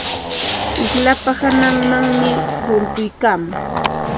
Slapa hananmanmi runtuykaamun.